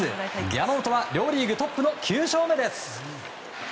山本は両リーグトップの９勝目です。